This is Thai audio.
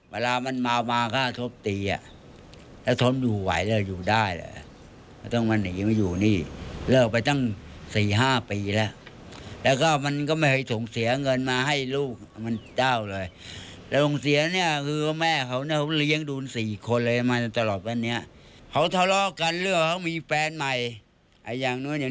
เวลามันมาฆ่าชบตีอ่ะถ้าชบอยู่ไหวแล้วอยู่ได้เลย